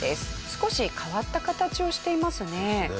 少し変わった形をしていますね。